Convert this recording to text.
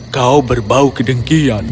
kau berbau kedengkian